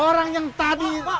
orang yang tadi